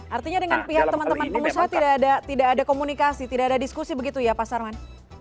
artinya dengan pihak teman teman pengusaha tidak ada komunikasi tidak ada diskusi begitu ya pak sarman